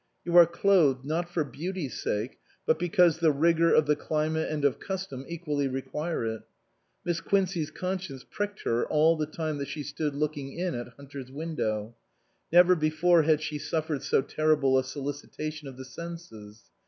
You are clothed, not for beauty's sake, but because the rigour of the climate and of custom equally require it. Miss Quincey's conscience pricked her all the time that she stood looking in at Hunter's window. Never before had she suffered so terrible a solicitation of the senses.